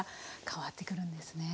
変わってくるんですね。